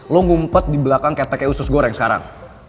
lo ngumpet di belakang keteknya usus goreng sekarang